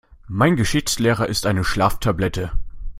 Mein Geschichtslehrer ist eine Schlaftablette.